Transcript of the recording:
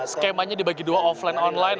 skemanya dibagi dua offline online